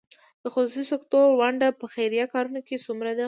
د خصوصي سکتور ونډه په خیریه کارونو کې څومره ده؟